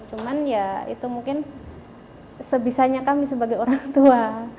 cuman ya itu mungkin sebisanya kami sebagai orang tua